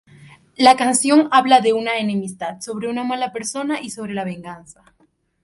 La canción habla de una enemistad, sobre una mala persona y sobre la venganza.